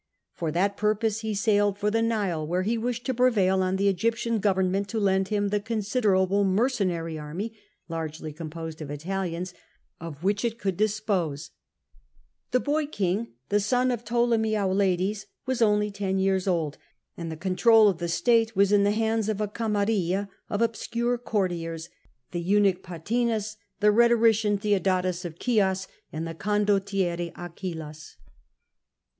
For that purpose he sailed for the Nile, where he wished to prevail on the Egyptian goTern ment to lend him the considerable mercenary army — largely composed of Italians — of which it could dispose The boy king, the son of Ptolemy Auletes, was only ten years old, and the control of the state was in the hands of a camarilla of obscure courtiers, the eunuch Pothinus, the rhetorician Theodotus of Chios, and the condoUiere Achillas.